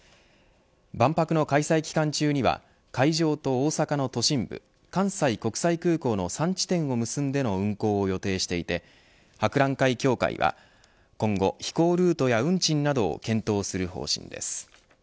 万博の開催期間中には会場と大阪の都心部関西国際空港の３地点を結んでの運航を予定していて博覧会協会は今後飛行ルートや運賃などを検討する方針です。